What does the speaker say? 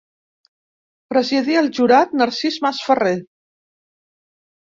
Presidí el jurat Narcís Masferrer.